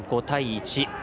５対１。